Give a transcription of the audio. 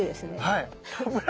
はい。